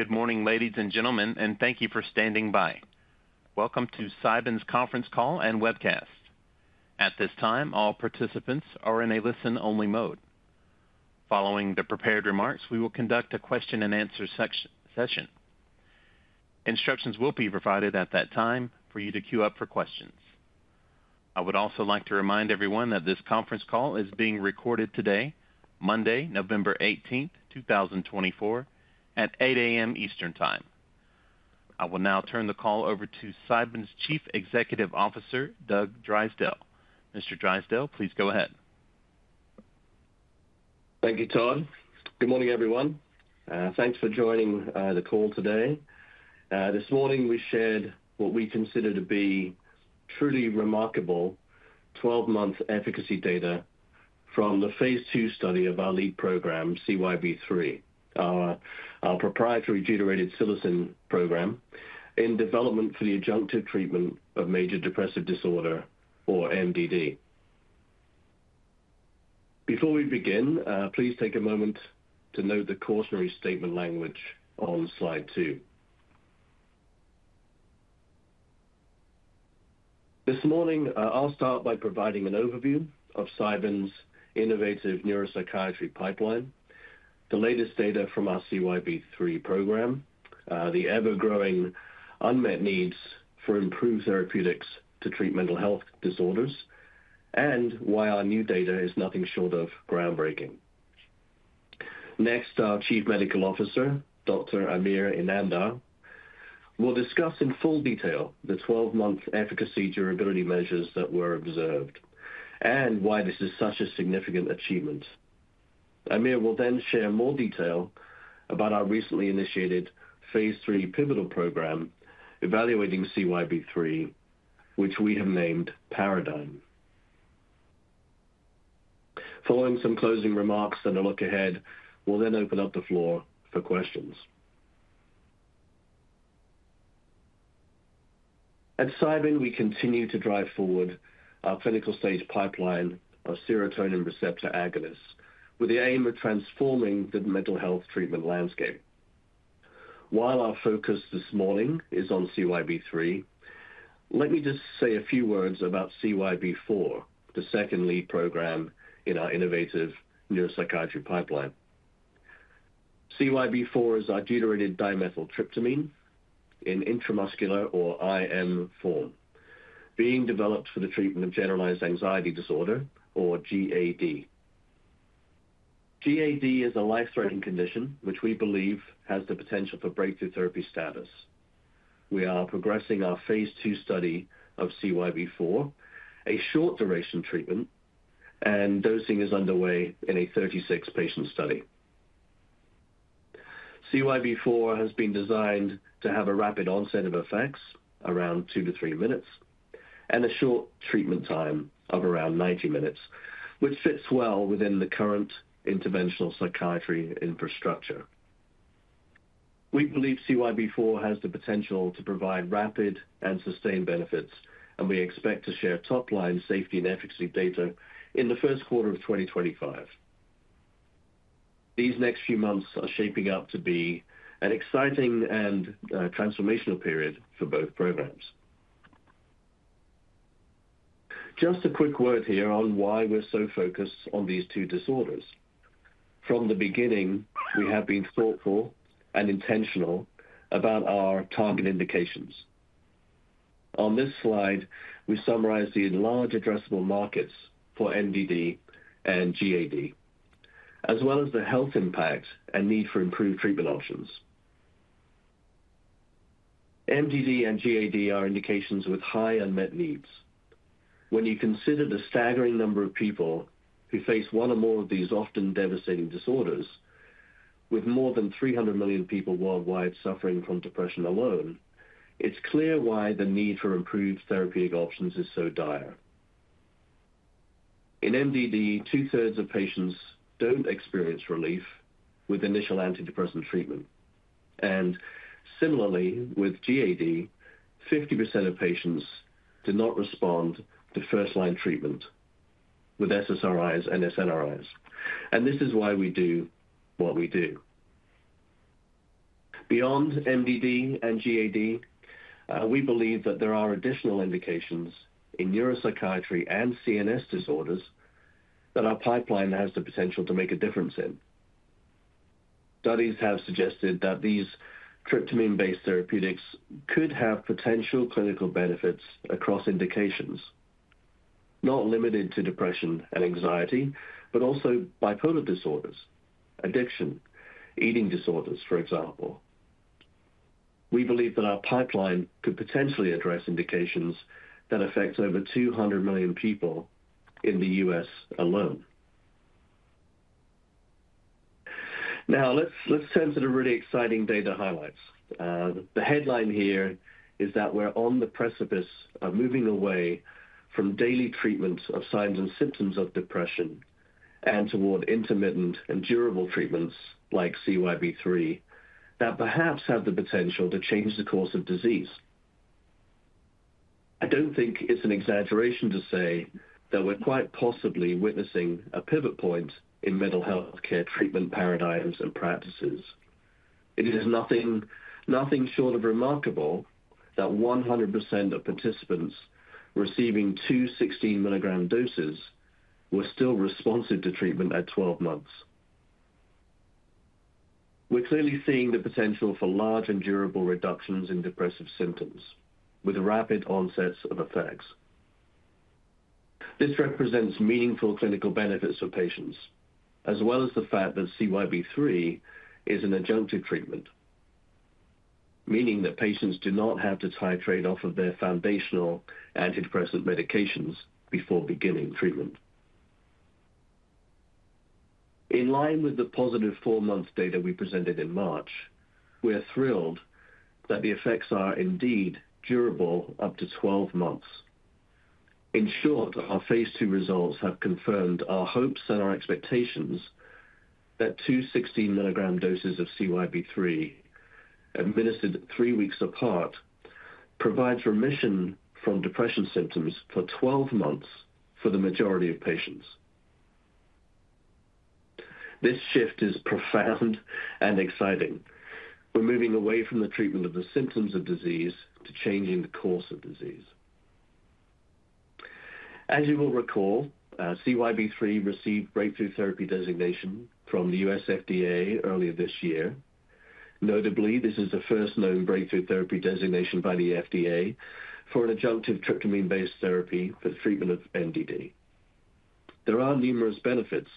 Good morning, ladies and gentlemen, and thank you for standing by. Welcome to Cybin's conference call and webcast. At this time, all participants are in a listen-only mode. Following the prepared remarks, we will conduct a question-and-answer session. Instructions will be provided at that time for you to queue up for questions. I would also like to remind everyone that this conference call is being recorded today, Monday, November 18th, 2024, at 8:00 A.M. Eastern Time. I will now turn the call over to Cybin's Chief Executive Officer, Doug Drysdale. Mr. Drysdale, please go ahead. Thank you, Todd. Good morning, everyone. Thanks for joining the call today. This morning we shared what we consider to be truly remarkable 12-month efficacy data from the Phase 2 study of our lead program, CYB003, our proprietary deuterated psilocybin program in development for the adjunctive treatment of major depressive disorder, or MDD. Before we begin, please take a moment to note the cautionary statement language on Slide 2. This morning, I'll start by providing an overview of Cybin's innovative neuropsychiatry pipeline, the latest data from our CYB003 program, the ever-growing unmet needs for improved therapeutics to treat mental health disorders, and why our new data is nothing short of groundbreaking. Next, our Chief Medical Officer, Dr. Amir Inamdar, will discuss in full detail the 12-month efficacy durability measures that were observed and why this is such a significant achievement. Amir will then share more detail about our recently initiated Phase 3 pivotal program evaluating CYB003, which we have named Paradigm. Following some closing remarks and a look ahead, we'll then open up the floor for questions. At Cybin, we continue to drive forward our clinical stage pipeline of serotonin receptor agonists with the aim of transforming the mental health treatment landscape. While our focus this morning is on CYB003, let me just say a few words about CYB4, the second lead program in our innovative neuropsychiatry pipeline. CYB004 is our deuterated dimethyltryptamine in intramuscular, or IM, form, being developed for the treatment of generalized anxiety disorder, or GAD. GAD is a life-threatening condition which we believe has the potential for breakthrough therapy status. We are progressing our Phase 2 study of CYB4, a short-duration treatment, and dosing is underway in a 36-patient study. CYB4 has been designed to have a rapid onset of effects, around two to three minutes, and a short treatment time of around 90 minutes, which fits well within the current interventional psychiatry infrastructure. We believe CYB4 has the potential to provide rapid and sustained benefits, and we expect to share top-line safety and efficacy data in the first quarter of 2025. These next few months are shaping up to be an exciting and transformational period for both programs. Just a quick word here on why we're so focused on these two disorders. From the beginning, we have been thoughtful and intentional about our target indications. On this Slide, we summarize the large addressable markets for MDD and GAD, as well as the health impact and need for improved treatment options. MDD and GAD are indications with high unmet needs. When you consider the staggering number of people who face one or more of these often devastating disorders, with more than 300 million people worldwide suffering from depression alone, it's clear why the need for improved therapeutic options is so dire. In MDD, two-thirds of patients don't experience relief with initial antidepressant treatment. And similarly, with GAD, 50% of patients do not respond to first-line treatment with SSRIs and SNRIs. And this is why we do what we do. Beyond MDD and GAD, we believe that there are additional indications in neuropsychiatry and CNS disorders that our pipeline has the potential to make a difference in. Studies have suggested that these tryptamine-based therapeutics could have potential clinical benefits across indications, not limited to depression and anxiety, but also bipolar disorders, addiction, eating disorders, for example. We believe that our pipeline could potentially address indications that affect over 200 million people in the U.S. alone. Now, let's, let's turn to the really exciting data highlights. The headline here is that we're on the precipice of moving away from daily treatment of signs and symptoms of depression and toward intermittent and durable treatments like CYB003 that perhaps have the potential to change the course of disease. I don't think it's an exaggeration to say that we're quite possibly witnessing a pivot point in mental healthcare treatment paradigms and practices. It is nothing, nothing short of remarkable that 100% of participants receiving two 16-milligram doses were still responsive to treatment at 12 months. We're clearly seeing the potential for large and durable reductions in depressive symptoms with rapid onsets of effects. This represents meaningful clinical benefits for patients, as well as the fact that CYB003 is an adjunctive treatment, meaning that patients do not have to titrate off of their foundational antidepressant medications before beginning treatment. In line with the positive four-month data we presented in March, we are thrilled that the effects are indeed durable up to 12 months. In short, our Phase 2 results have confirmed our hopes and our expectations that two 16-milligram doses of CYB003, administered three weeks apart, provides remission from depression symptoms for 12 months for the majority of patients. This shift is profound and exciting. We're moving away from the treatment of the symptoms of disease to changing the course of disease. As you will recall, CYB003 received breakthrough therapy designation from the U.S. FDA earlier this year. Notably, this is the first known breakthrough therapy designation by the FDA for an adjunctive tryptamine-based therapy for the treatment of MDD. There are numerous benefits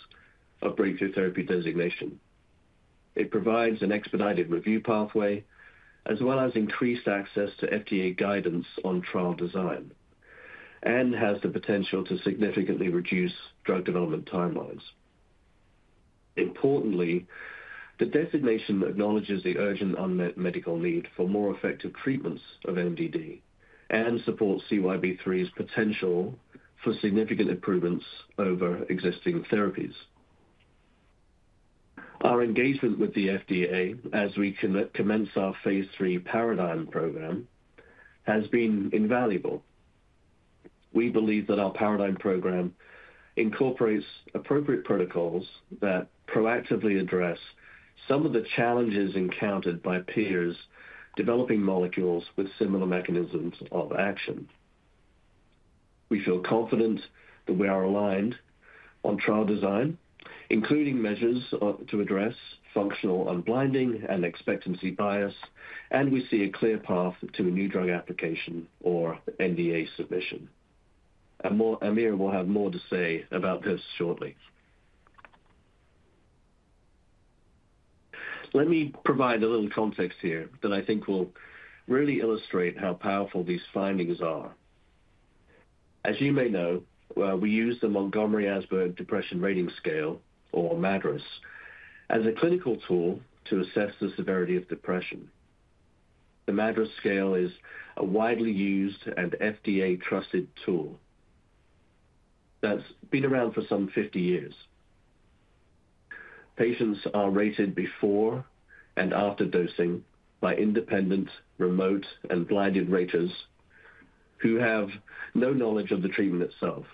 of breakthrough therapy designation. It provides an expedited review pathway, as well as increased access to FDA guidance on trial design, and has the potential to significantly reduce drug development timelines. Importantly, the designation acknowledges the urgent unmet medical need for more effective treatments of MDD and supports CYB003's potential for significant improvements over existing therapies. Our engagement with the FDA as we commence our Phase 3 Paradigm program has been invaluable. We believe that our Paradigm program incorporates appropriate protocols that proactively address some of the challenges encountered by peers developing molecules with similar mechanisms of action. We feel confident that we are aligned on trial design, including measures to address functional unblinding and expectancy bias, and we see a clear path to a new drug application or NDA submission. Amir will have more to say about this shortly. Let me provide a little context here that I think will really illustrate how powerful these findings are. As you may know, we use the Montgomery-Åsberg Depression Rating Scale, or MADRS, as a clinical tool to assess the severity of depression. The MADRS scale is a widely used and FDA-trusted tool that's been around for some 50 years. Patients are rated before and after dosing by independent remote and blinded raters who have no knowledge of the treatment itself.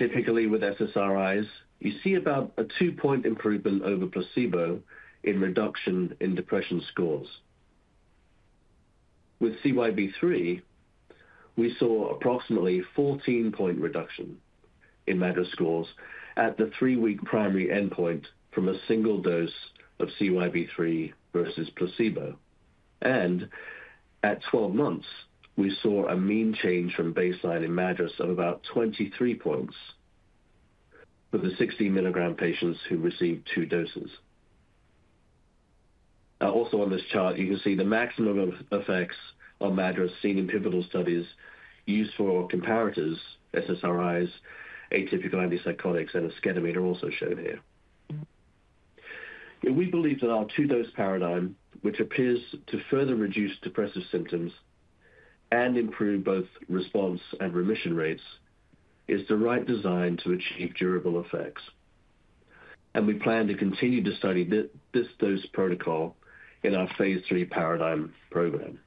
Typically, with SSRIs, you see about a two-point improvement over placebo in reduction in depression scores. With CYB003, we saw approximately a 14-point reduction in MADRS scores at the three-week primary endpoint from a single dose of CYB003 versus placebo. And at 12 months, we saw a mean change from baseline in MADRS of about 23 points for the 16-milligram patients who received two doses. Also on this chart, you can see the maximum effects of MADRS seen in pivotal studies used for comparators: SSRIs, atypical antipsychotics, and ketamine also shown here. We believe that our two-dose paradigm, which appears to further reduce depressive symptoms and improve both response and remission rates, is the right design to achieve durable effects. And we plan to continue to study this protocol in our Phase 3 paradigm program.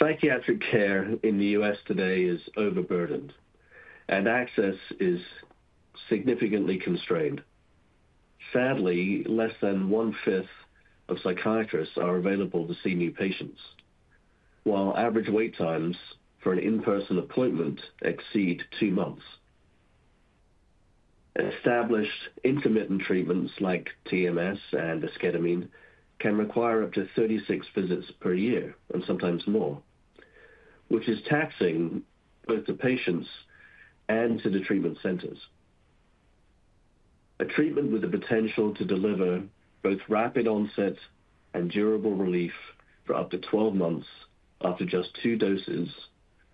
Psychiatric care in the US today is overburdened, and access is significantly constrained. Sadly, less than one-fifth of psychiatrists are available to see new patients, while average wait times for an in-person appointment exceed two months. Established intermittent treatments like TMS and esketamine can require up to 36 visits per year and sometimes more, which is taxing both the patients and to the treatment centers. A treatment with the potential to deliver both rapid onset and durable relief for up to 12 months after just two doses,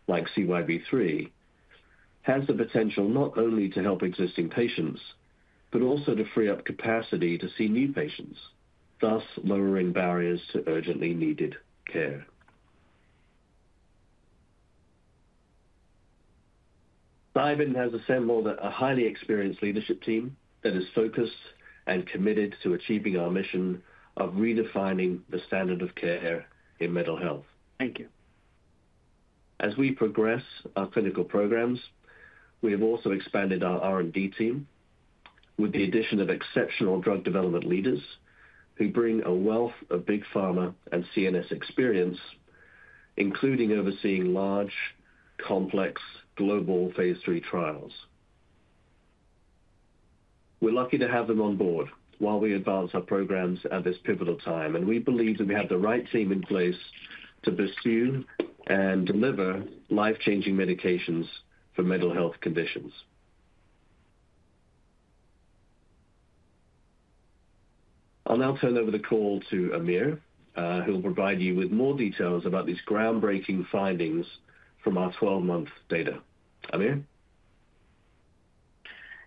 like CYB003, has the potential not only to help existing patients but also to free up capacity to see new patients, thus lowering barriers to urgently needed care. Cybin has assembled a highly experienced leadership team that is focused and committed to achieving our mission of redefining the standard of care in mental health. Thank you. As we progress our clinical programs, we have also expanded our R&D team with the addition of exceptional drug development leaders who bring a wealth of big pharma and CNS experience, including overseeing large, complex, global Phase 3 trials. We're lucky to have them on board while we advance our programs at this pivotal time, and we believe that we have the right team in place to pursue and deliver life-changing medications for mental health conditions. I'll now turn over the call to Amir, who will provide you with more details about these groundbreaking findings from our 12-month data. Amir?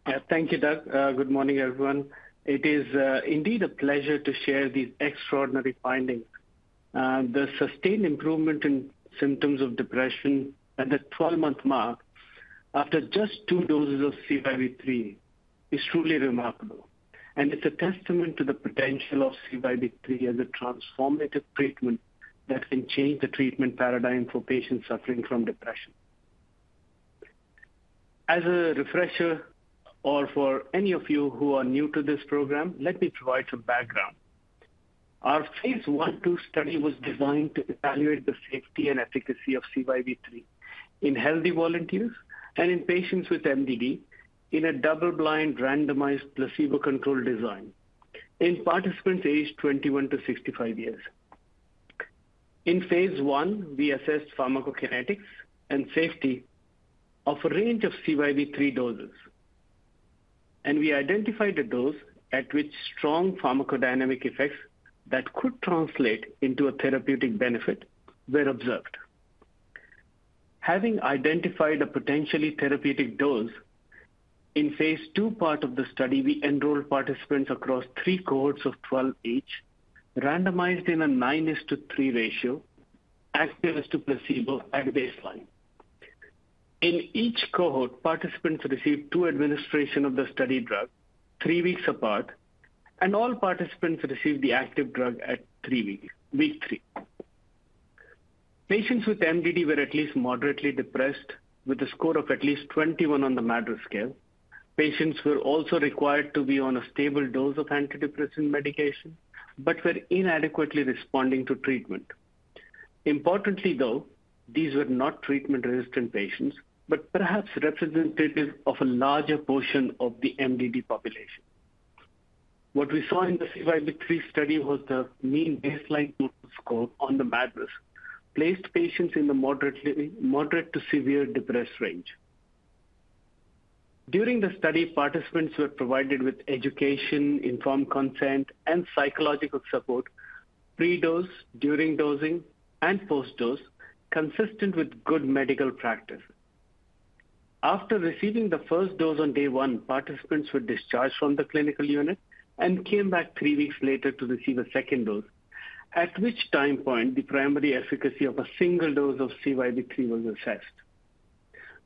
Yeah, thank you, Doug. Good morning, everyone. It is, indeed a pleasure to share these extraordinary findings. The sustained improvement in symptoms of depression at the 12-month mark after just two doses of CYB003 is truly remarkable, and it's a testament to the potential of CYB003 as a transformative treatment that can change the treatment paradigm for patients suffering from depression. As a refresher, or for any of you who are new to this program, let me provide some background. Our Phase 1-2 study was designed to evaluate the safety and efficacy of CCYB003 in healthy volunteers and in patients with MDD in a double-blind randomized placebo-controlled design in participants aged 21 to 65 years. In Phase 1, we assessed pharmacokinetics and safety of a range of CYB003 doses, and we identified a dose at which strong pharmacodynamic effects that could translate into a therapeutic benefit were observed. Having identified a potentially therapeutic dose, in Phase 2 part of the study, we enrolled participants across three cohorts of 12 each, randomized in a 9:3 ratio, active to placebo at baseline. In each cohort, participants received two administrations of the study drug three weeks apart, and all participants received the active drug at three weeks, week three. Patients with MDD were at least moderately depressed, with a score of at least 21 on the MADRS scale. Patients were also required to be on a stable dose of antidepressant medication but were inadequately responding to treatment. Importantly, though, these were not treatment-resistant patients but perhaps representative of a larger portion of the MDD population. What we saw in the CYB003 study was the mean baseline score on the MADRS placed patients in the moderate to severe depressed range. During the study, participants were provided with education, informed consent, and psychological support pre-dose, during dosing, and post-dose, consistent with good medical practice. After receiving the first dose on day one, participants were discharged from the clinical unit and came back three weeks later to receive a second dose, at which time point the primary efficacy of a single dose of CYB003 was assessed.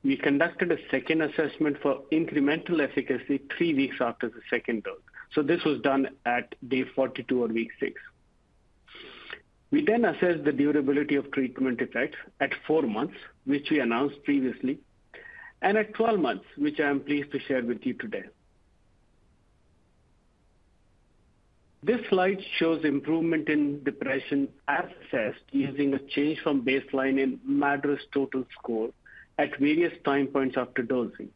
We conducted a second assessment for incremental efficacy three weeks after the second dose. So this was done at day 42 or week six. We then assessed the durability of treatment effects at four months, which we announced previously, and at 12 months, which I am pleased to share with you today. This Slide shows improvement in depression as assessed using a change from baseline in MADRS total score at various time points after dosing.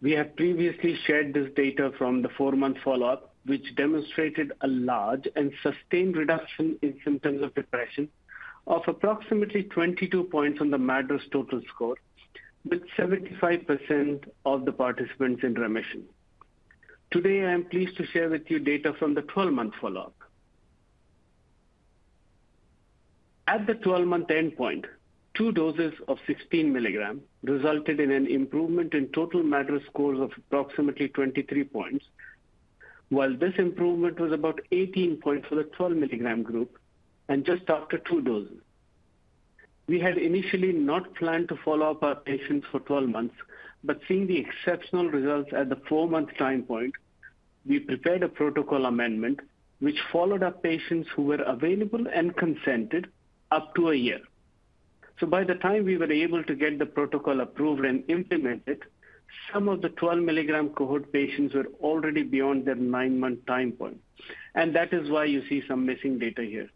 We have previously shared this data from the four-month follow-up, which demonstrated a large and sustained reduction in symptoms of depression of approximately 22 points on the MADRS total score, with 75% of the participants in remission. Today, I am pleased to share with you data from the 12-month follow-up. At the 12-month endpoint, two doses of 16 milligrams resulted in an improvement in total MADRS scores of approximately 23 points, while this improvement was about 18 points for the 12-milligram group and just after two doses. We had initially not planned to follow up our patients for 12 months, but seeing the exceptional results at the four-month time point, we prepared a protocol amendment which followed up patients who were available and consented up to a year. So by the time we were able to get the protocol approved and implemented, some of the 12-milligram cohort patients were already beyond their nine-month time point, and that is why you see some missing data here.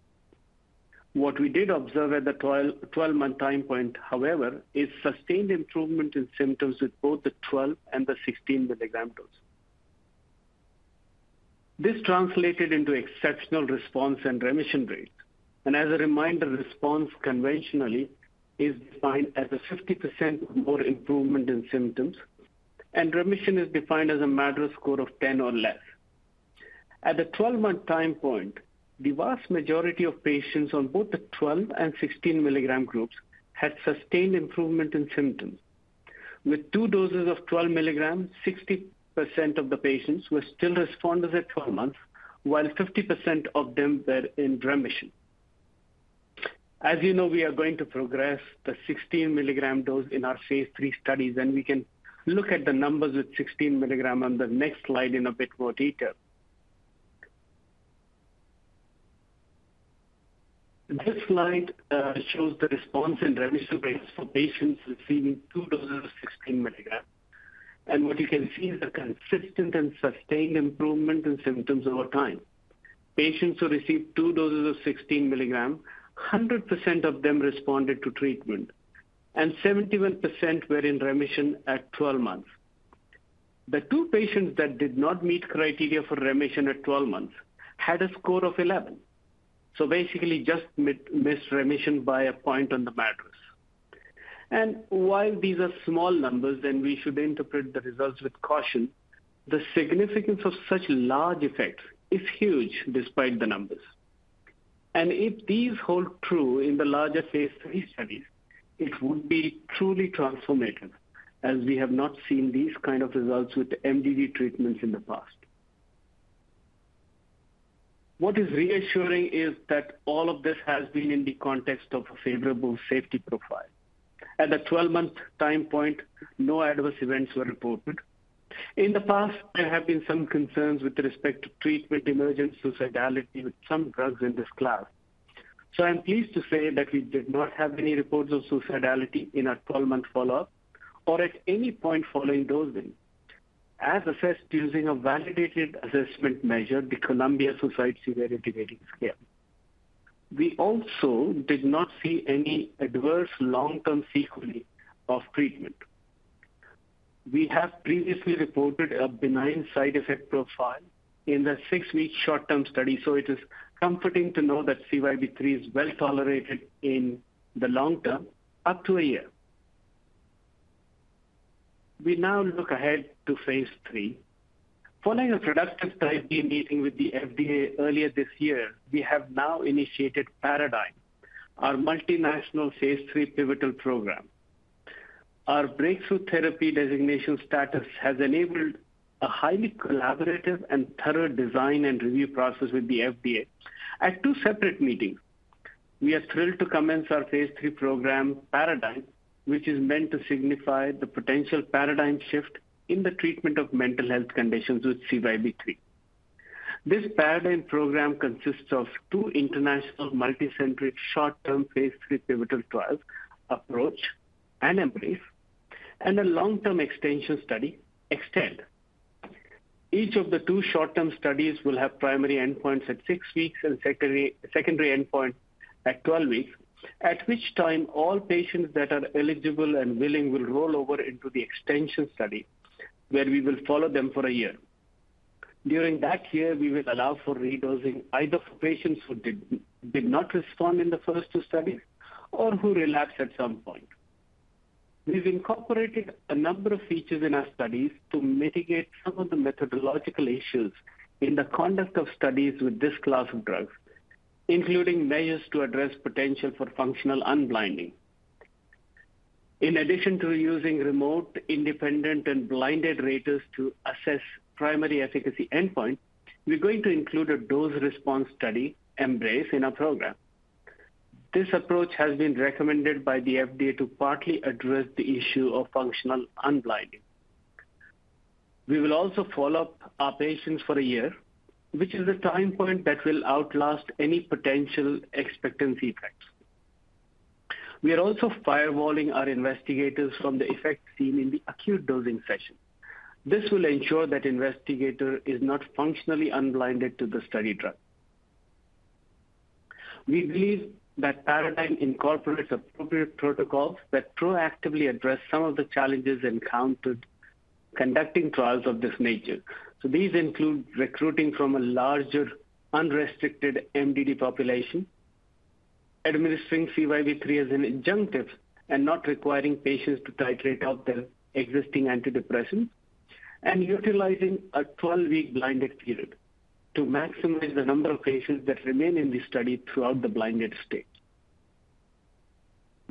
What we did observe at the 12-month time point, however, is sustained improvement in symptoms with both the 12 and the 16-milligram dose. This translated into exceptional response and remission rate, and as a reminder, response conventionally is defined as a 50% more improvement in symptoms, and remission is defined as a MADRS score of 10 or less. At the 12-month time point, the vast majority of patients on both the 12 and 16-milligram groups had sustained improvement in symptoms. With two doses of 12 milligrams, 60% of the patients were still responders at 12 months, while 50% of them were in remission. As you know, we are going to progress the 16-milligram dose in our Phase 3 studies, and we can look at the numbers with 16 milligram on the next Slide in a bit more detail. This Slide shows the response and remission rates for patients receiving two doses of 16 milligram, and what you can see is a consistent and sustained improvement in symptoms over time. Patients who received two doses of 16 milligram, 100% of them responded to treatment, and 71% were in remission at 12 months. The two patients that did not meet criteria for remission at 12 months had a score of 11, so basically just missed remission by a point on the MADRS. While these are small numbers, and we should interpret the results with caution, the significance of such large effects is huge despite the numbers. And if these hold true in the larger Phase 3 studies, it would be truly transformative, as we have not seen these kinds of results with MDD treatments in the past. What is reassuring is that all of this has been in the context of a favorable safety profile. At the 12-month time point, no adverse events were reported. In the past, there have been some concerns with respect to treatment emergent suicidality with some drugs in this class. So I'm pleased to say that we did not have any reports of suicidality in our 12-month follow-up or at any point following dosing, as assessed using a validated assessment measure, the Columbia-Suicide Severity Rating Scale. We also did not see any adverse long-term sequelae of treatment. We have previously reported a benign side effect profile in the six-week short-term study, so it is comforting to know that CYB003 is well tolerated in the long term, up to a year. We now look ahead to Phase 3. Following a productive type meeting with the FDA earlier this year, we have now initiated Paradigm, our multinational Phase 3 pivotal program. Our breakthrough therapy designation status has enabled a highly collaborative and thorough design and review process with the FDA at two separate meetings. We are thrilled to commence our Phase 3 program, Paradigm, which is meant to signify the potential paradigm shift in the treatment of mental health conditions with CYB003. This Paradigm program consists of two international multicentric short-term Phase 3 pivotal trials, Approach and Embrace, and a long-term extension study, Extend. Each of the two short-term studies will have primary endpoints at six weeks and secondary endpoints at 12 weeks, at which time all patients that are eligible and willing will roll over into the extension study, where we will follow them for a year. During that year, we will allow for redosing either for patients who did not respond in the first two studies or who relapsed at some point. We've incorporated a number of features in our studies to mitigate some of the methodological issues in the conduct of studies with this class of drugs, including measures to address potential for functional unblinding. In addition to using remote, independent, and blinded raters to assess primary efficacy endpoints, we're going to include a dose-response study, Embrace, in our program. This approach has been recommended by the FDA to partly address the issue of functional unblinding. We will also follow up our patients for a year, which is the time point that will outlast any potential expectancy effects. We are also firewalling our investigators from the effects seen in the acute dosing session. This will ensure that the investigator is not functionally unblinded to the study drug. We believe that Paradigm incorporates appropriate protocols that proactively address some of the challenges encountered conducting trials of this nature, so these include recruiting from a larger unrestricted MDD population, administering CYB003 as an adjunctive and not requiring patients to titrate out their existing antidepressants, and utilizing a 12-week blinded period to maximize the number of patients that remain in the study throughout the blinded stage.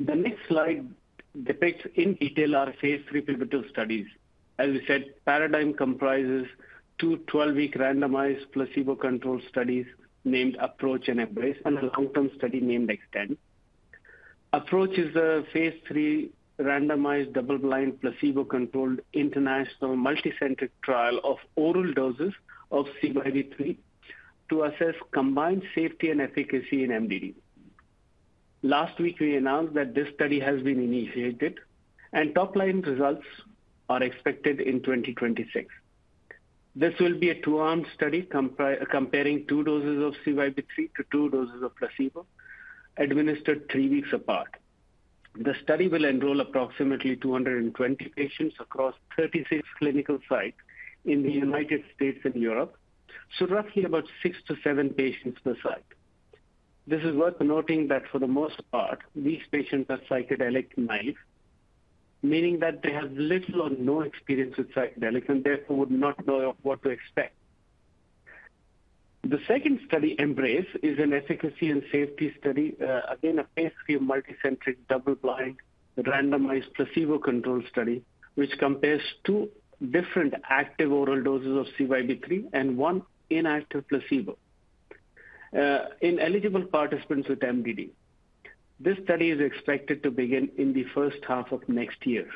The next Slide depicts in detail our Phase 3 pivotal studies. As we said, Paradigm comprises two 12-week randomized placebo-controlled studies named Approach and Embrace, and a long-term study named Extend. Approach is a Phase 3 randomized double-blind placebo-controlled international multicenter trial of oral doses of CYB003 to assess combined safety and efficacy in MDD. Last week, we announced that this study has been initiated, and top-line results are expected in 2026. This will be a two-arm study comparing two doses of CYB003 to two doses of placebo administered three weeks apart. The study will enroll approximately 220 patients across 36 clinical sites in the United States and Europe, so roughly about six to seven patients per site. This is worth noting that for the most part, these patients are psychedelic-naïve, meaning that they have little or no experience with psychedelics and therefore would not know what to expect. The second study, Embrace, is an efficacy and safety study, again a Phase 3 multicenter double-blind randomized placebo-controlled study which compares two different active oral doses of CYB003 and one inactive placebo in eligible participants with MDD. This study is expected to begin in the first half of next year.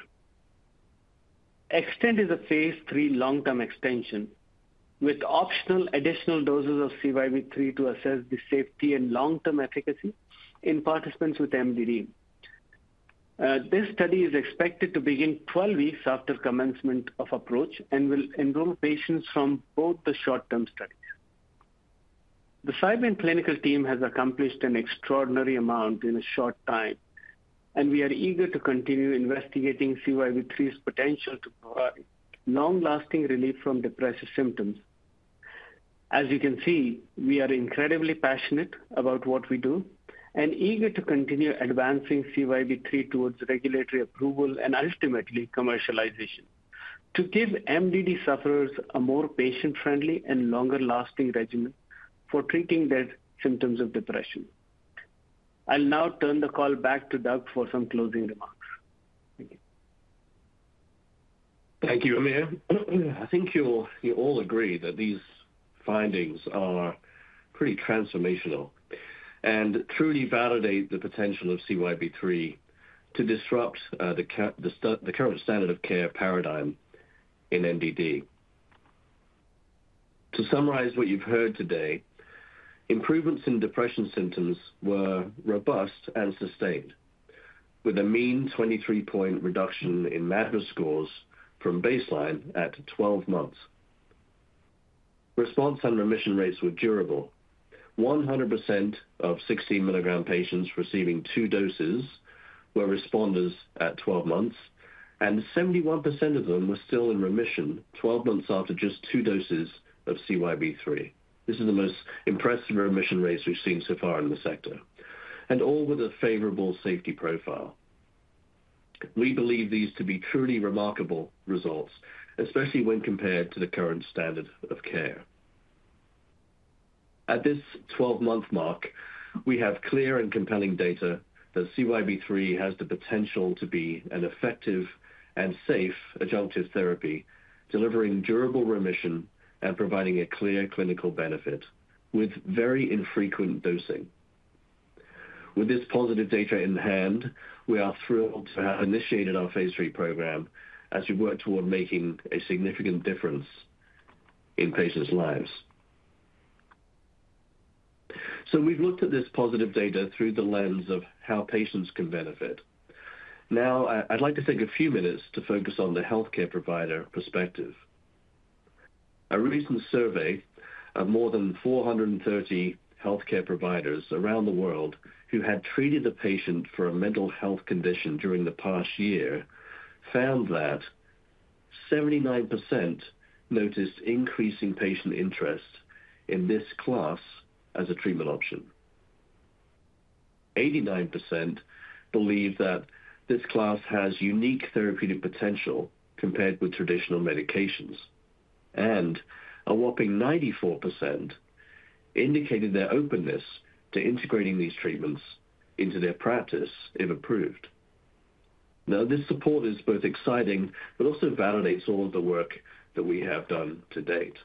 Extend is a Phase 3 long-term extension with optional additional doses of CYB003 to assess the safety and long-term efficacy in participants with MDD. This study is expected to begin 12 weeks after commencement of Approach and will enroll patients from both the short-term studies. The Cybin clinical team has accomplished an extraordinary amount in a short time, and we are eager to continue investigating CYB003's potential to provide long-lasting relief from depressive symptoms. As you can see, we are incredibly passionate about what we do and eager to continue advancing CYB003 towards regulatory approval and ultimately commercialization to give MDD sufferers a more patient-friendly and longer-lasting regimen for treating their symptoms of depression. I'll now turn the call back to Doug for some closing remarks. Thank you. Thank you, Amir. I think you'll all agree that these findings are pretty transformational and truly validate the potential of CYB003 to disrupt the current standard of care paradigm in MDD. To summarize what you've heard today, improvements in depression symptoms were robust and sustained, with a mean 23-point reduction in MADRS scores from baseline at 12 months. Response and remission rates were durable. 100% of 16-milligram patients receiving two doses were responders at 12 months, and 71% of them were still in remission 12 months after just two doses of CYB003. This is the most impressive remission rates we've seen so far in the sector, and all with a favorable safety profile. We believe these to be truly remarkable results, especially when compared to the current standard of care. At this 12-month mark, we have clear and compelling data that CYB003 has the potential to be an effective and safe adjunctive therapy, delivering durable remission and providing a clear clinical benefit with very infrequent dosing. With this positive data in hand, we are thrilled to have initiated our Phase 3 program as we work toward making a significant difference in patients' lives, so we've looked at this positive data through the lens of how patients can benefit. Now, I'd like to take a few minutes to focus on the healthcare provider perspective. A recent survey of more than 430 healthcare providers around the world who had treated a patient for a mental health condition during the past year found that 79% noticed increasing patient interest in this class as a treatment option. 89% believe that this class has unique therapeutic potential compared with traditional medications, and a whopping 94% indicated their openness to integrating these treatments into their practice if approved. Now, this support is both exciting but also validates all of the work that we have done to date.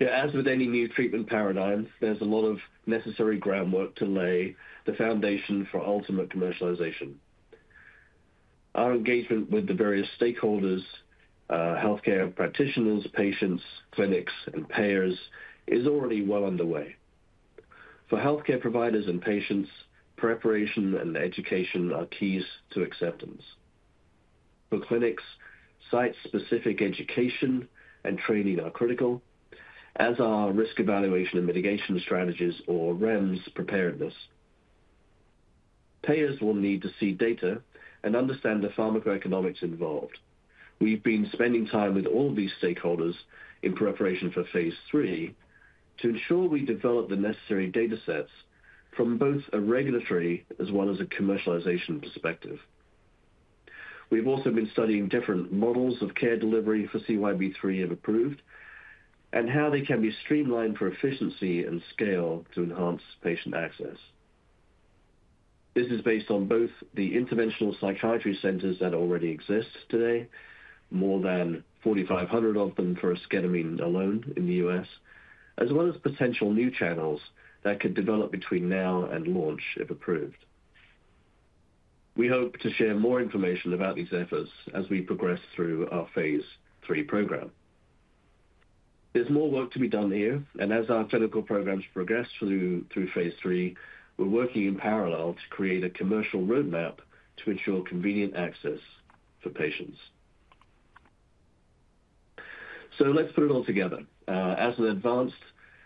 As with any new treatment paradigm, there's a lot of necessary groundwork to lay the foundation for ultimate commercialization. Our engagement with the various stakeholders, healthcare practitioners, patients, clinics, and payers is already well underway. For healthcare providers and patients, preparation and education are keys to acceptance. For clinics, site-specific education and training are critical, as are risk evaluation and mitigation strategies, or REMS, preparedness. Payers will need to see data and understand the pharmacoeconomics involved. We've been spending time with all of these stakeholders in preparation for Phase 3 to ensure we develop the necessary data sets from both a regulatory as well as a commercialization perspective. We've also been studying different models of care delivery for CYB003 if approved and how they can be streamlined for efficiency and scale to enhance patient access. This is based on both the interventional psychiatry centers that already exist today, more than 4,500 of them for esketamine alone in the U.S., as well as potential new channels that could develop between now and launch if approved. We hope to share more information about these efforts as we progress through our Phase 3 program. There's more work to be done here, and as our clinical programs progress through Phase 3, we're working in parallel to create a commercial roadmap to ensure convenient access for patients. So let's put it all together. As an advanced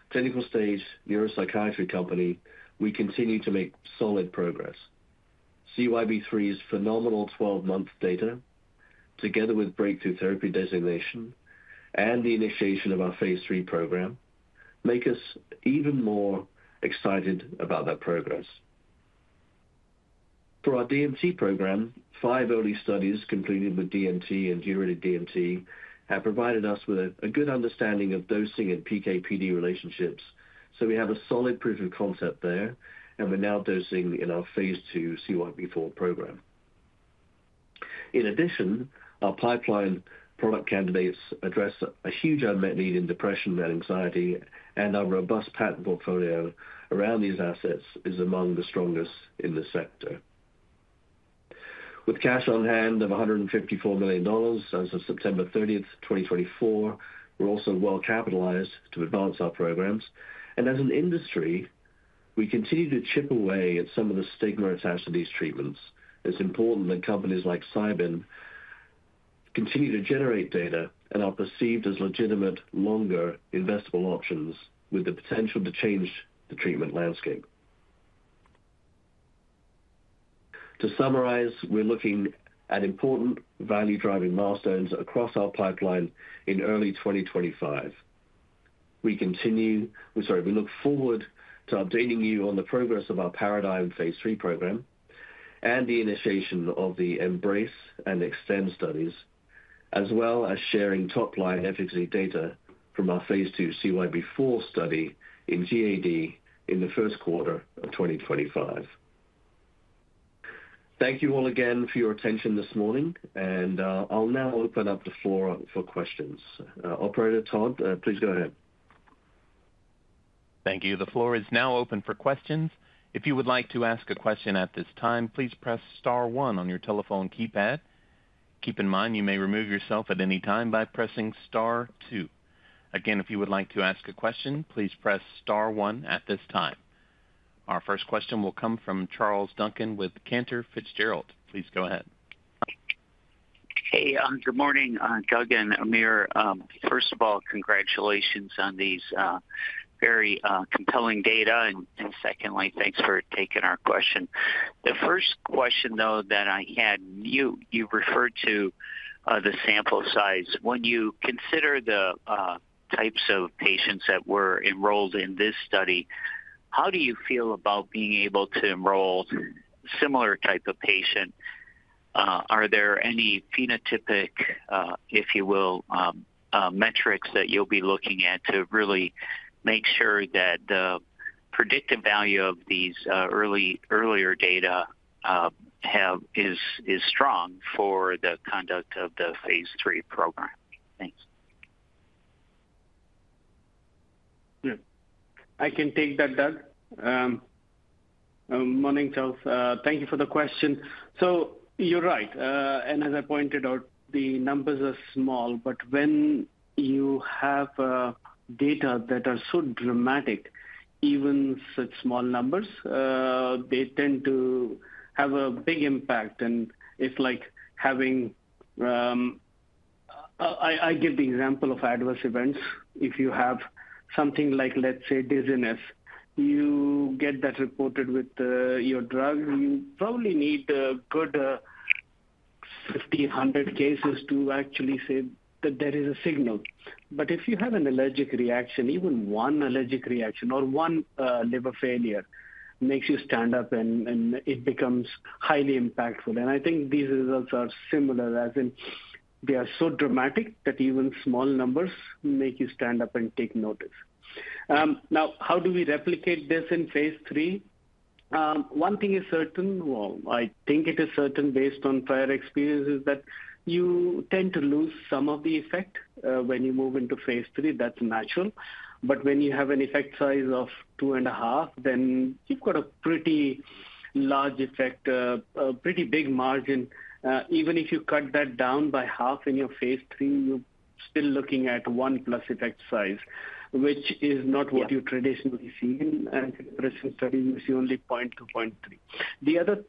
clinical stage neuropsychiatry company, we continue to make solid progress. CYB003's phenomenal 12-month data, together with breakthrough therapy designation and the initiation of our Phase 3 program, make us even more excited about that progress. For our DMT program, five early studies completed with DMT and deuterated DMT have provided us with a good understanding of dosing and PK/PD relationships, so we have a solid proof of concept there, and we're now dosing in our Phase 2 CYB4 program. In addition, our pipeline product candidates address a huge unmet need in depression and anxiety, and our robust patent portfolio around these assets is among the strongest in the sector. With cash on hand of 154 million dollars as of September 30th, 2024, we're also well capitalized to advance our programs, and as an industry, we continue to chip away at some of the stigma attached to these treatments. It's important that companies like Cybin continue to generate data and are perceived as legitimate, longer investable options with the potential to change the treatment landscape. To summarize, we're looking at important value-driving milestones across our pipeline in early 2025. We look forward to updating you on the progress of our Paradigm Phase 3 program and the initiation of the Embrace and Extend studies, as well as sharing top-line efficacy data from our Phase 2 CYB4 study in GAD in the first quarter of 2025. Thank you all again for your attention this morning, and I'll now open up the floor for questions. Operator Todd, please go ahead. Thank you. The floor is now open for questions. If you would like to ask a question at this time, please press Star 1 on your telephone keypad. Keep in mind, you may remove yourself at any time by pressing Star 2. Again, if you would like to ask a question, please press Star 1 at this time. Our first question will come from Charles Duncan with Cantor Fitzgerald. Please go ahead. Hey, good morning, Doug and Amir. First of all, congratulations on these very compelling data, and secondly, thanks for taking our question. The first question, though, that I had, you referred to the sample size. When you consider the types of patients that were enrolled in this study, how do you feel about being able to enroll a similar type of patient? Are there any phenotypic, if you will, metrics that you'll be looking at to really make sure that the predictive value of these earlier data is strong for the conduct of the Phase 3 program? Thanks. I can take that, Doug. Morning, Charles. Thank you for the question, so you're right, and as I pointed out, the numbers are small, but when you have data that are so dramatic, even such small numbers, they tend to have a big impact, and it's like having, I give the example of adverse events. If you have something like, let's say, dizziness, you get that reported with your drug, you probably need a good 50, 100 cases to actually say that there is a signal. But if you have an allergic reaction, even one allergic reaction or one liver failure makes you stand up, and it becomes highly impactful. I think these results are similar as in they are so dramatic that even small numbers make you stand up and take notice. Now, how do we replicate this in Phase 3? One thing is certain. Well, I think it is certain based on prior experiences that you tend to lose some of the effect when you move into Phase 3. That's natural. But when you have an effect size of two and a half, then you've got a pretty large effect, a pretty big margin. Even if you cut that down by half in your Phase 3, you're still looking at one-plus effect size, which is not what you traditionally see in the present study with the only 0.2, 0.3. The other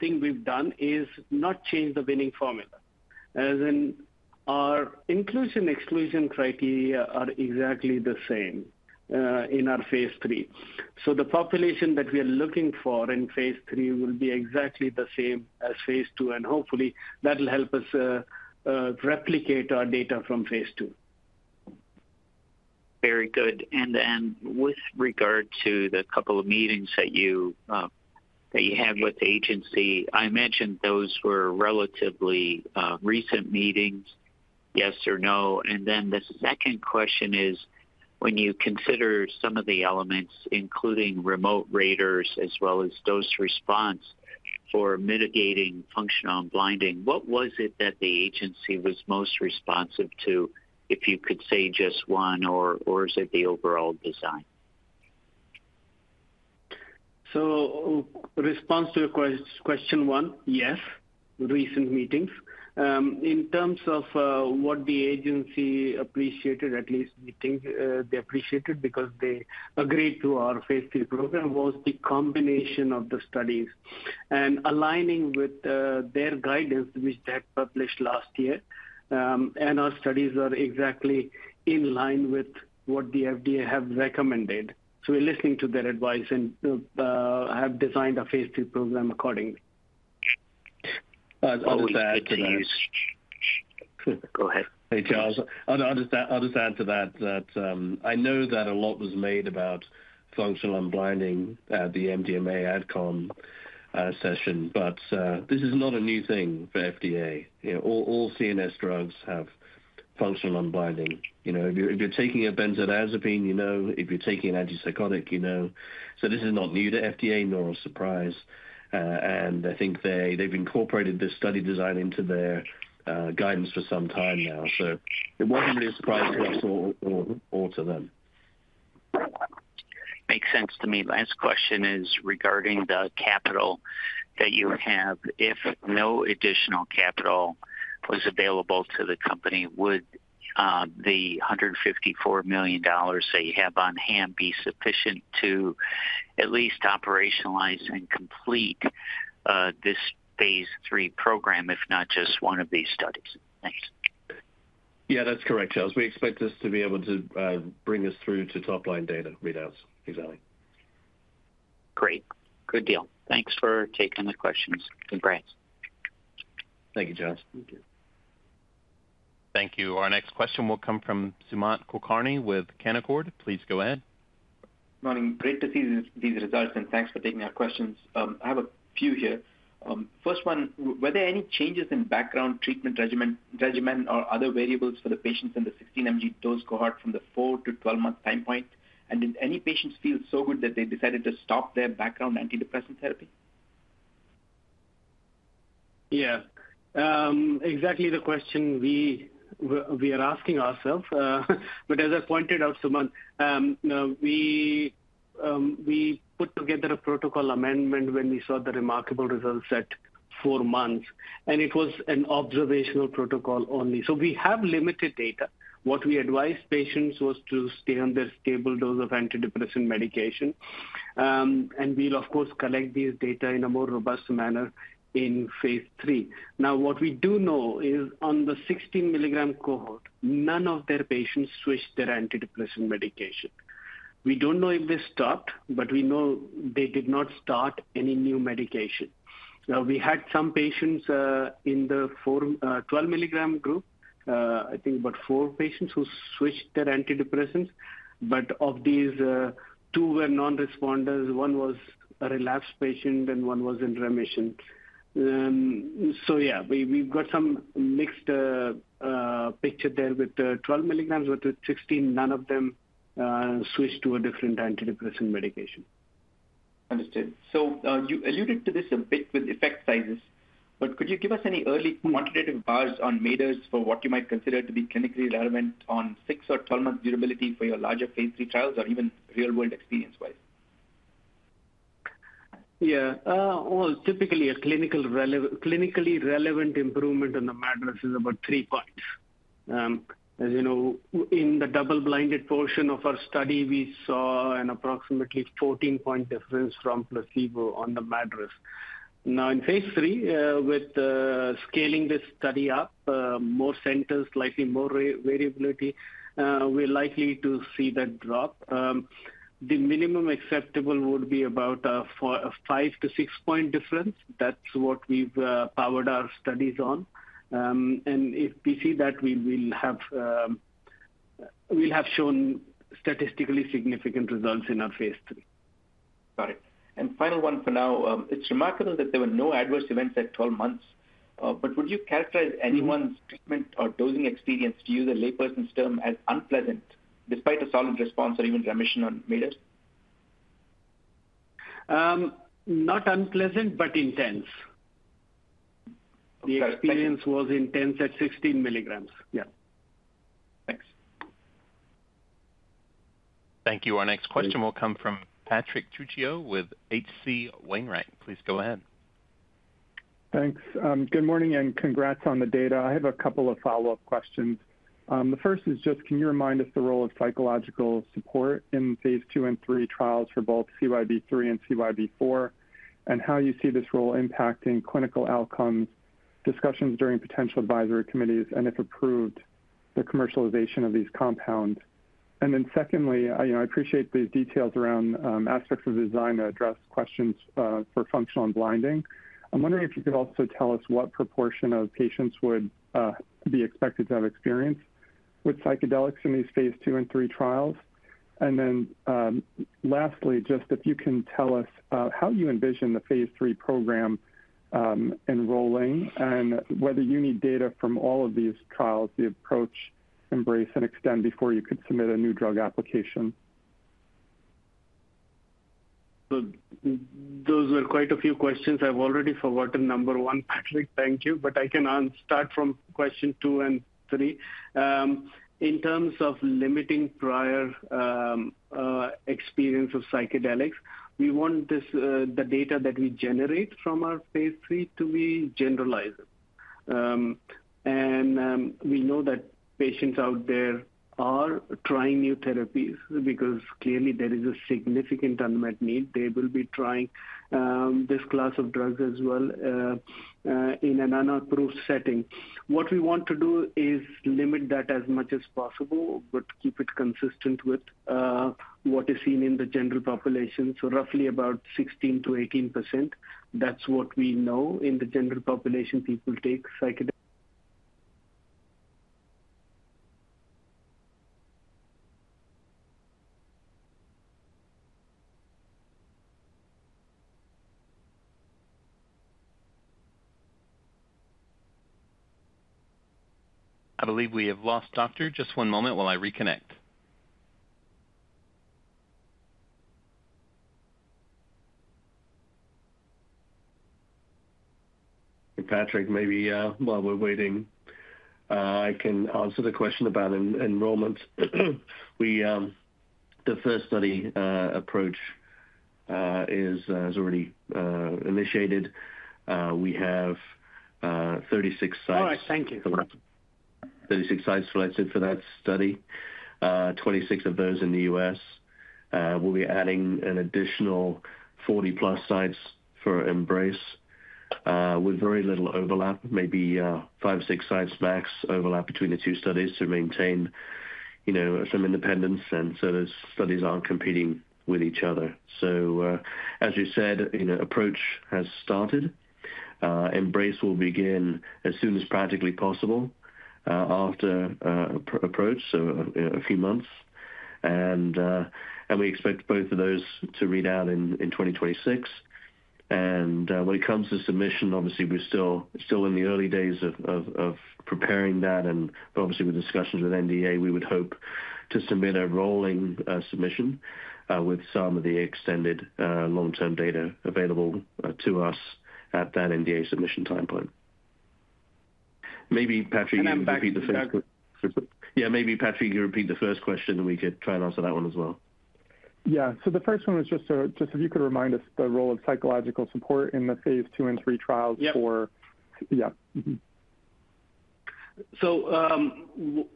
thing we've done is not change the winning formula, as in our inclusion-exclusion criteria are exactly the same in our Phase 3. So the population that we are looking for in Phase 3 will be exactly the same as Phase 2, and hopefully, that will help us replicate our data from Phase 2. Very good. And with regard to the couple of meetings that you had with the agency, I mentioned those were relatively recent meetings, yes or no? And then the second question is, when you consider some of the elements, including remote raters as well as dose response for mitigating functional unblinding, what was it that the agency was most responsive to, if you could say just one, or is it the overall design? So, response to your question one, yes, recent meetings. In terms of what the agency appreciated, at least meeting they appreciated because they agreed to our Phase 3 program, was the combination of the studies and aligning with their guidance, which they had published last year. Our studies are exactly in line with what the FDA have recommended. We're listening to their advice and have designed a Phase 3 program accordingly. I'll just add to that. Go ahead. Hey, Charles. I'll just add to that that I know that a lot was made about functional unblinding at the MDMA ADCOM session, but this is not a new thing for FDA. All CNS drugs have functional unblinding. If you're taking a benzodiazepine, you know. If you're taking an antipsychotic, you know. This is not new to FDA, nor a surprise. I think they've incorporated this study design into their guidance for some time now, so it wasn't really a surprise to us or to them. Makes sense to me. Last question is regarding the capital that you have. If no additional capital was available to the company, would the 154 million dollars that you have on hand be sufficient to at least operationalize and complete this Phase 3 program, if not just one of these studies? Thanks. Yeah, that's correct, Charles. We expect this to be able to bring us through to top-line data readouts, exactly. Great. Good deal. Thanks for taking the questions. Congrats. Thank you, Charles. Thank you. Thank you. Our next question will come from Sumant Kulkarni with Canaccord Genuity. Please go ahead. Morning. Great to see these results, and thanks for taking our questions. I have a few here. First one, were there any changes in background treatment regimen or other variables for the patients in the 16-mg dose cohort from the 4 to 12-month time point? And did any patients feel so good that they decided to stop their background antidepressant therapy? Yeah. Exactly the question we are asking ourselves. But as I pointed out, Sumant, we put together a protocol amendment when we saw the remarkable results at four months, and it was an observational protocol only. So we have limited data. What we advised patients was to stay on their stable dose of antidepressant medication, and we'll, of course, collect these data in a more robust manner in Phase 3. Now, what we do know is on the 16-mg cohort, none of their patients switched their antidepressant medication. We don't know if they stopped, but we know they did not start any new medication. We had some patients in the 12-mg group, I think about four patients who switched their antidepressants, but of these, two were non-responders. One was a relapsed patient, and one was in remission. Yeah, we've got some mixed picture there with 12 milligrams, but with 16, none of them switched to a different antidepressant medication. Understood. You alluded to this a bit with effect sizes, but could you give us any early quantitative benchmarks for what you might consider to be clinically relevant on 6- or 12-month durability for your larger Phase 3 trials or even real-world experience-wise? Yeah. Well, typically, a clinically relevant improvement in the MADRS is about three points. As you know, in the double-blinded portion of our study, we saw an approximately 14-point difference from placebo on the MADRS. Now, in Phase 3, with scaling this study up, more centers, likely more variability, we're likely to see that drop. The minimum acceptable would be about a 5- to 6-point difference. That's what we've powered our studies on. And if we see that, we'll have shown statistically significant results in our Phase 3. Got it. And final one for now, it's remarkable that there were no adverse events at 12 months, but would you characterize anyone's treatment or dosing experience, to use a layperson's term, as unpleasant despite a solid response or even remission on MADRS? Not unpleasant, but intense. The experience was intense at 16 milligrams. Yeah. Thanks. Thank you. Our next question will come from Patrick Trucchio with H.C. Wainwright. Please go ahead. Thanks. Good morning and congrats on the data. I have a couple of follow-up questions. The first is just, can you remind us the role of psychological support in Phase 2 and 3 trials for both CYB003 and CYB004, and how you see this role impacting clinical outcomes, discussions during potential advisory committees, and if approved, the commercialization of these compounds? And then secondly, I appreciate these details around aspects of the design to address questions for functional unblinding. I'm wondering if you could also tell us what proportion of patients would be expected to have experience with psychedelics in these Phase 2 and 3 trials. And then lastly, just if you can tell us how you envision the Phase 3 program enrolling and whether you need data from all of these trials, the Approach, Embrace, and Extend before you could submit a New Drug Application. Those were quite a few questions. I've already forgotten number one, Patrick. Thank you. But I can start from question two and three. In terms of limiting prior experience of psychedelics, we want the data that we generate from our Phase 3 to be generalized. And we know that patients out there are trying new therapies because clearly there is a significant unmet need. They will be trying this class of drugs as well in an unapproved setting. What we want to do is limit that as much as possible, but keep it consistent with what is seen in the general population. So roughly about 16%-18%, that's what we know in the general population people take psychedelics. I believe we have lost Doctor. Just one moment while I reconnect. Patrick, maybe while we're waiting, I can answer the question about enrollment. The first study Approach has already initiated. We have 36 sites. All right. Thank you. 36 sites selected for that study, 26 of those in the US. We'll be adding an additional 40-plus sites for Embrace with very little overlap, maybe five or six sites max overlap between the two studies to maintain some independence, and so those studies aren't competing with each other. So as you said, Approach has started. Embrace will begin as soon as practically possible after Approach, so a few months. And we expect both of those to read out in 2026. And when it comes to submission, obviously, we're still in the early days of preparing that. And obviously, with discussions with NDA, we would hope to submit a rolling submission with some of the extended long-term data available to us at that NDA submission time point. Maybe, Patrick, you can repeat the first question. Yeah. Maybe, Patrick, you can repeat the first question, and we could try and answer that one as well. Yeah. So the first one was just if you could remind us the role of psychological support in the Phase 2 and 3 trials for. Yeah. So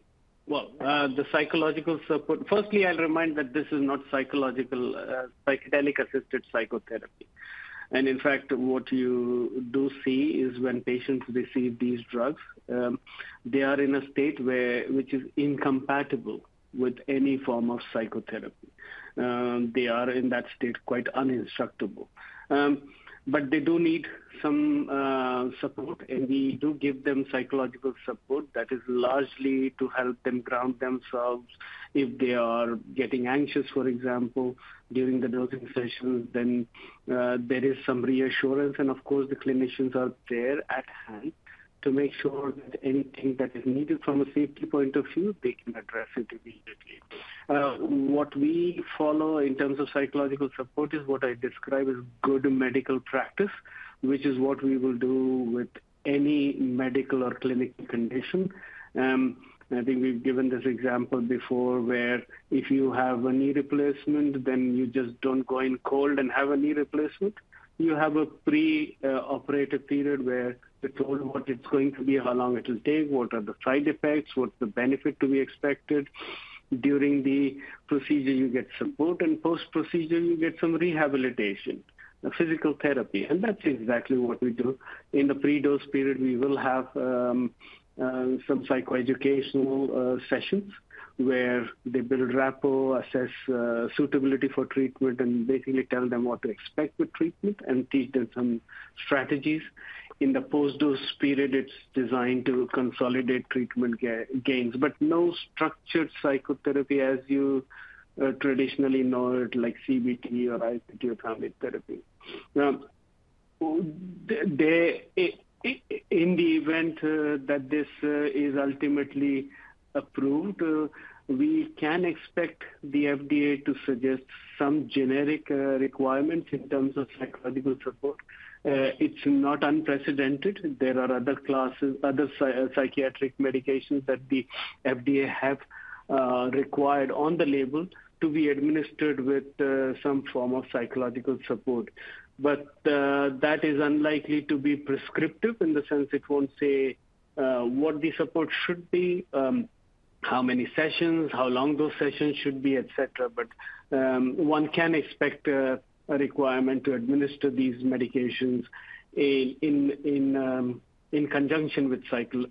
well, the psychological support, firstly, I'll remind that this is not psychological psychedelic-assisted psychotherapy. In fact, what you do see is when patients receive these drugs, they are in a state which is incompatible with any form of psychotherapy. They are in that state quite uninstructable. They do need some support, and we do give them psychological support that is largely to help them ground themselves. If they are getting anxious, for example, during the dosing session, then there is some reassurance. Of course, the clinicians are there at hand to make sure that anything that is needed from a safety point of view, they can address it immediately. What we follow in terms of psychological support is what I describe as good medical practice, which is what we will do with any medical or clinical condition. I think we've given this example before where if you have a knee replacement, then you just don't go in cold and have a knee replacement. You have a pre-operative period where you're told what it's going to be, how long it will take, what are the side effects, what's the benefit to be expected. During the procedure, you get support, and post-procedure, you get some rehabilitation, physical therapy, and that's exactly what we do. In the pre-dose period, we will have some psychoeducational sessions where they build rapport, assess suitability for treatment, and basically tell them what to expect with treatment and teach them some strategies. In the post-dose period, it's designed to consolidate treatment gains, but no structured psychotherapy as you traditionally know it, like CBT or IPT or therapy. In the event that this is ultimately approved, we can expect the FDA to suggest some generic requirements in terms of psychological support. It's not unprecedented. There are other classes, other psychiatric medications that the FDA have required on the label to be administered with some form of psychological support, but that is unlikely to be prescriptive in the sense it won't say what the support should be, how many sessions, how long those sessions should be, etc., but one can expect a requirement to administer these medications in conjunction with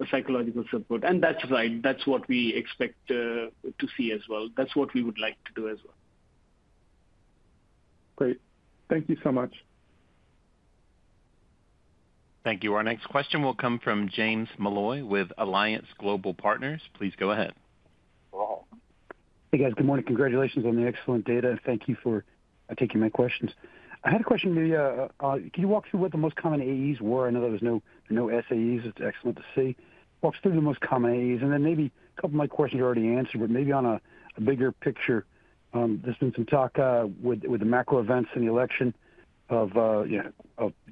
psychological support, and that's right. That's what we expect to see as well. That's what we would like to do as well. Great. Thank you so much. Thank you. Our next question will come from James Molloy with Alliance Global Partners. Please go ahead. Hey, guys. Good morning. Congratulations on the excellent data. Thank you for taking my questions. I had a question. Can you walk through what the most common AEs were? I know there were no SAEs. It's excellent to see. Walk through the most common AEs. And then maybe a couple of my questions are already answered, but maybe on a bigger picture, there's been some talk with the macro events and the election of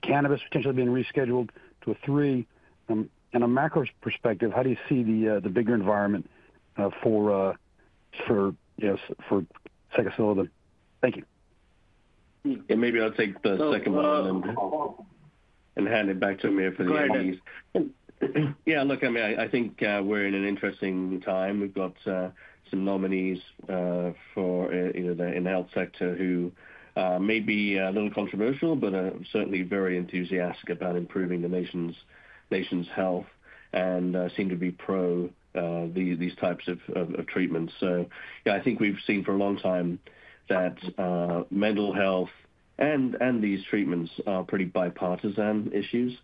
cannabis potentially being rescheduled to a three. And on a macro perspective, how do you see the bigger environment for psychedelic? Thank you. And maybe I'll take the second one and hand it back to Amir for the AEs. Yeah. Look, Amir, I think we're in an interesting time. We've got some nominees for the in-health sector who may be a little controversial, but are certainly very enthusiastic about improving the nation's health and seem to be pro these types of treatments. So yeah, I think we've seen for a long time that mental health and these treatments are pretty bipartisan issues.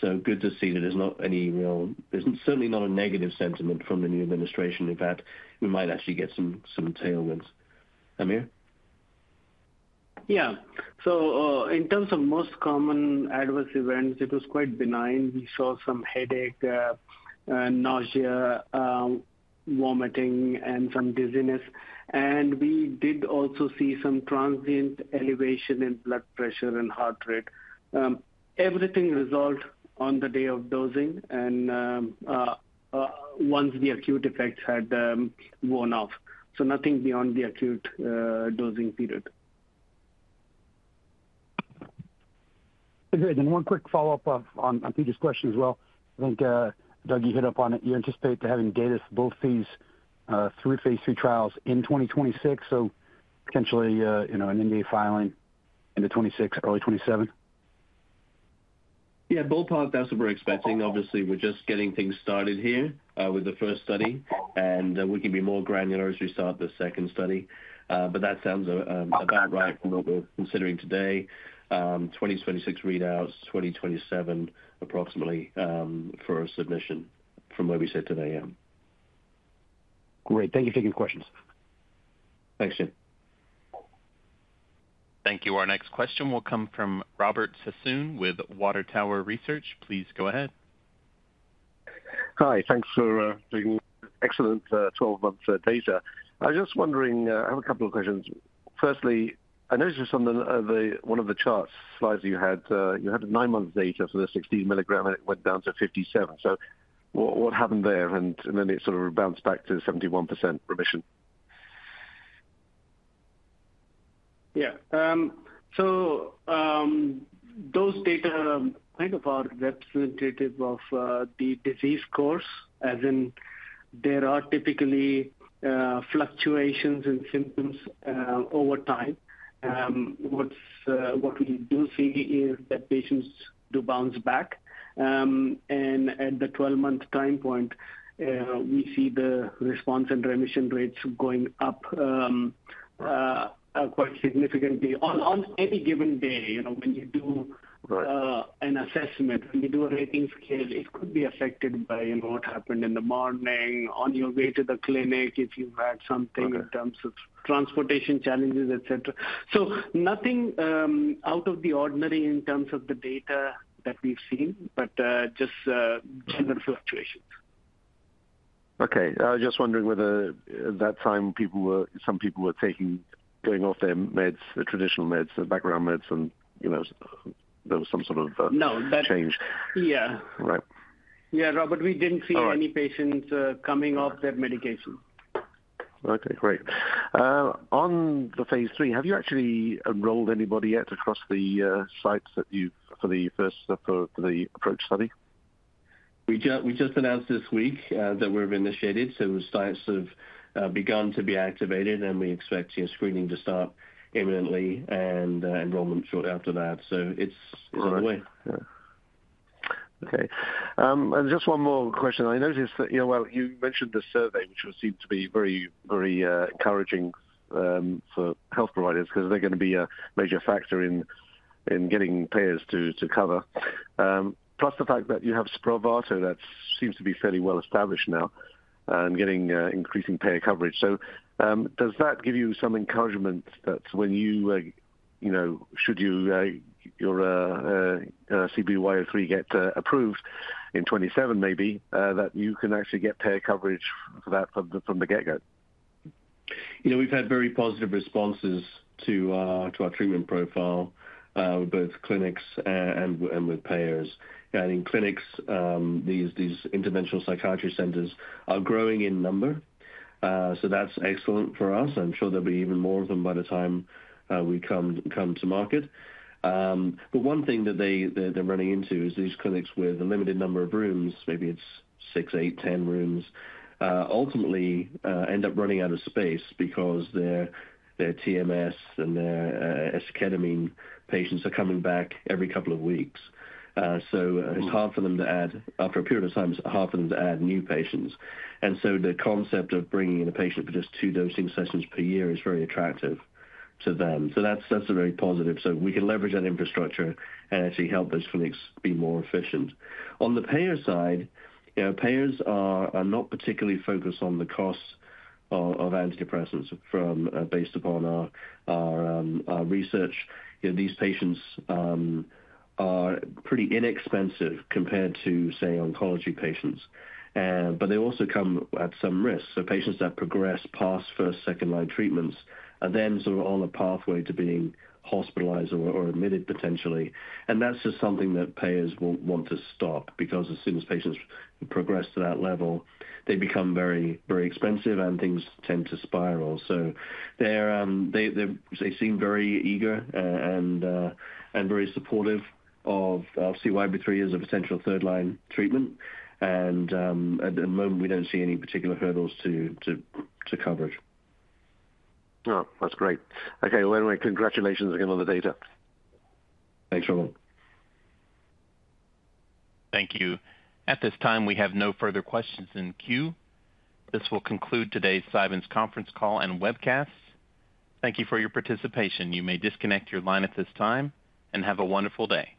So good to see that there's not any real, there's certainly not a negative sentiment from the new administration. In fact, we might actually get some tailwinds. Amir? Yeah. So in terms of most common adverse events, it was quite benign. We saw some headache, nausea, vomiting, and some dizziness. And we did also see some transient elevation in blood pressure and heart rate. Everything resolved on the day of dosing and once the acute effects had worn off. So nothing beyond the acute dosing period. Great. And one quick follow-up on Peter's question as well. I think, Doug, you hit up on it. You anticipate having data for both these three Phase 3 trials in 2026, so potentially an NDA filing in 2026, early 2027? Yeah. Ballpark, that's what we're expecting. Obviously, we're just getting things started here with the first study, and we can be more granular as we start the second study. But that sounds about right from what we're considering today, 2026 readouts, 2027 approximately for a submission from where we sit today. Great. Thank you for taking the questions. Thanks, Jim. Thank you. Our next question will come from Robert Sassoon with Water Tower Research. Please go ahead. Hi. Thanks for bringing excellent 12-month data. I was just wondering, I have a couple of questions. Firstly, I noticed on one of the charts, Slides you had, you had a nine-month data for the 16 milligram, and it went down to 57. So what happened there? And then it sort of bounced back to 71% remission. Yeah. So those data kind of are representative of the disease course, as in there are typically fluctuations in symptoms over time. What we do see is that patients do bounce back. And at the 12-month time point, we see the response and remission rates going up quite significantly on any given day. When you do an assessment, when you do a rating scale, it could be affected by what happened in the morning, on your way to the clinic if you've had something in terms of transportation challenges, etc. So nothing out of the ordinary in terms of the data that we've seen, but just general fluctuations. Okay. I was just wondering whether at that time, some people were taking, going off their meds, the traditional meds, the background meds, and there was some sort of change. Yeah. Right. Yeah. Robert, we didn't see any patients coming off their medication. Okay. Great. On the Phase 3, have you actually enrolled anybody yet across the sites for the first for the APPROACH study? We just announced this week that we've initiated. So sites have begun to be activated, and we expect screening to start imminently and enrollment shortly after that. So it's on the way. Okay. Just one more question. I noticed that, well, you mentioned the survey, which would seem to be very encouraging for health providers because they're going to be a major factor in getting payers to cover. Plus the fact that you have Spravato, that seems to be fairly well established now and getting increasing payer coverage. So does that give you some encouragement that when you should your CYB003 get approved in '27, maybe, that you can actually get payer coverage for that from the get-go? We've had very positive responses to our treatment profile with both clinics and with payers, and in clinics, these interventional psychiatry centers are growing in number, so that's excellent for us. I'm sure there'll be even more of them by the time we come to market, but one thing that they're running into is these clinics with a limited number of rooms, maybe it's six, eight, 10 rooms, ultimately end up running out of space because their TMS and their esketamine patients are coming back every couple of weeks, so it's hard for them to add, after a period of time, it's hard for them to add new patients, and so the concept of bringing in a patient for just two dosing sessions per year is very attractive to them, so that's a very positive, so we can leverage that infrastructure and actually help those clinics be more efficient. On the payer side, payers are not particularly focused on the cost of antidepressants based upon our research. These patients are pretty inexpensive compared to, say, oncology patients. But they also come at some risk. So patients that progress past first, second-line treatments are then sort of on a pathway to being hospitalized or admitted potentially. And that's just something that payers will want to stop because as soon as patients progress to that level, they become very expensive and things tend to spiral. So they seem very eager and very supportive of CYB003 as a potential third-line treatment. And at the moment, we don't see any particular hurdles to coverage. Well, that's great. Okay. Well, anyway, congratulations again on the data. Thanks for that. Thank you. At this time, we have no further questions in queue. This will conclude today's Cybin's Conference Call and Webcast. Thank you for your participation. You may disconnect your line at this time and have a wonderful day.